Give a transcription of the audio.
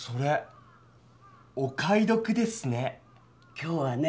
今日はね